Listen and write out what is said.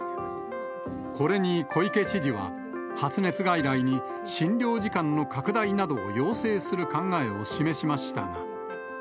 これに小池知事は、発熱外来に診療時間の拡大などを要請する考えを示しましたが。